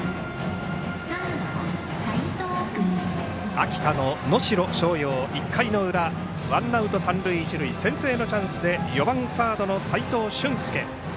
秋田の能代松陽１回の裏ワンアウト、三塁一塁先制のチャンスで４番サードの齋藤舜介。